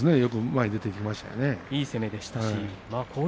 前に出ていきましたね。